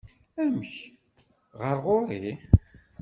Amek, ɣer ɣur-i?